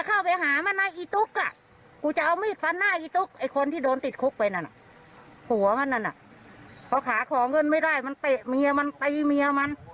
เขากินเหล้ากินอะไรมั้ย